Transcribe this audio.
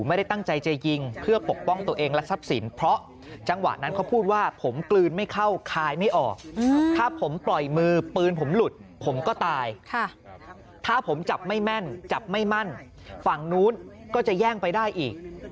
ไม่ได้ตั้งใจจะยิงเพื่อปกป้องตัวเองและท่าประสิทธิ์